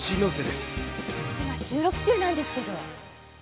今収録中なんですけど。